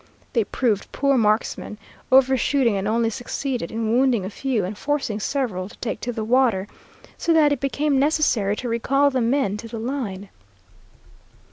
They proved poor marksmen, overshooting, and only succeeded in wounding a few and forcing several to take to the water, so that it became necessary to recall the men to the line.